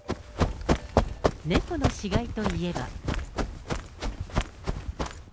猫の死骸といえば。